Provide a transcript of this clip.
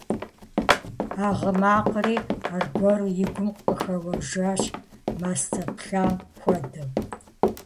А гъы макъри аргуэру и гум къыхэуэжащ мастэ плъам хуэдэу.